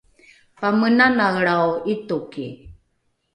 pamenanaelrao ’itoki